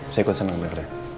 saya kok senang bekerja